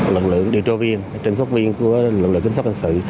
lực lượng điều tra viên trinh sốc viên của lực lượng kinh sốc hành sự